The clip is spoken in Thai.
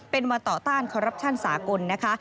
เป็นวันต่อต้านคอรับชั่นสากล